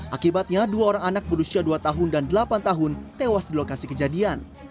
akibatnya dua orang anak berusia dua tahun dan delapan tahun tewas di lokasi kejadian